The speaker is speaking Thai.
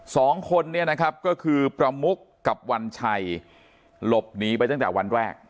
สองคนเนี่ยนะครับก็คือประมุกกับวันชัยหลบหนีไปตั้งแต่วันแรก